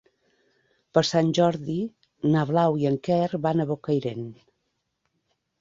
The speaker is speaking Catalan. Per Sant Jordi na Blau i en Quer van a Bocairent.